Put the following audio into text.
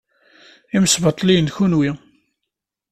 Imesbaṭliyen d kenwi.